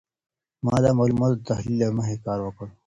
ما د معلوماتو د تحلیلې له مخي کار وکړ.